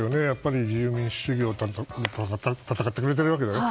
やっぱり自由民主主義を戦ってくれているわけで。